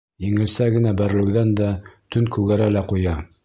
Еңелсә генә бәрелеүҙән дә тән күгәрә лә ҡуя.